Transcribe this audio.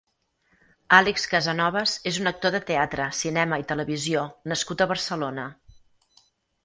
Àlex Casanovas és un actor de teatre, cinema i televisió nascut a Barcelona.